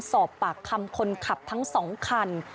สอบปากคำคนขับทั้ง๒คัน